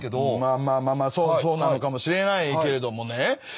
まあまあまあそうなのかもしれないけれどもね。